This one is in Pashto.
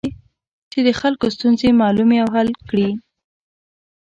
چې د خلکو ستونزې معلومې او حل کړي.